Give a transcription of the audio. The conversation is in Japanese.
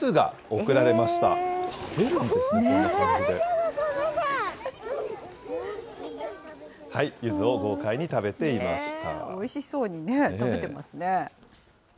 おいしそうにね、食べてますね。